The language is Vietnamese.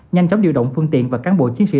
nhanh chóng điều động phương tiện và cán bộ chiến sĩ